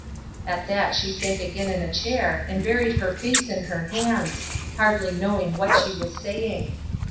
At that she sank again in a chair, and buried her face in her hands, hardly knowing what she was saying.